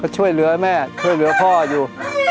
ช่วยเหลือแม่ช่วยเหลือพ่ออยู่